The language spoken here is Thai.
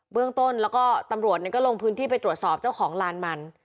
เรื่องต้นแล้วก็ตำรวจก็ลงพื้นที่ไปตรวจสอบเจ้าของลานมัน